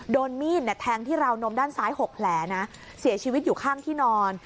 โดนมีดแทงที่ราวนมด้านซ้าย๖แผลนะเสียชีวิตอยู่ข้างที่นอน